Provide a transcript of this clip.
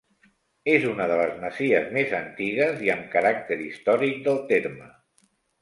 És una de les masies més antigues i amb caràcter històric del terme.